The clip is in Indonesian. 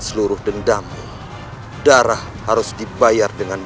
suruh dendammu darah harus dibayar dengan